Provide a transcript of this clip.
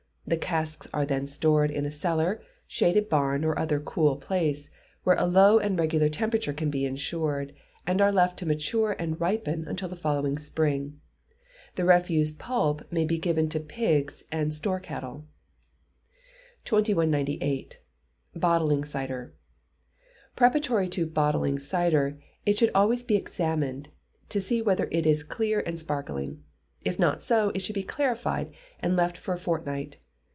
The casks are then stored in a cellar, shaded barn, or other cool place, where a low and regular temperature can be insured, and are left to mature and ripen until the following spring. The refuse pulp may be given to pigs and store cattle. 2198. Bottling Cider. Preparatory to bottling cider, it should always be examined, to see whether it is clear and sparkling. If not so, it should be clarified, and left for a fortnight.